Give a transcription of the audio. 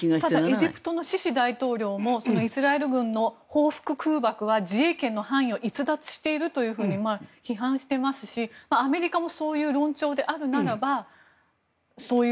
ただ、エジプトのシシ大統領もそのイスラエル軍の報復空爆は自衛権の範囲を逸脱していると批判していますしアメリカもそういう論調であるならばそういう。